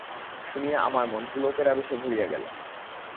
শুনিয়া আমার মন পুলকের আবেশে ভরিয়া গেল।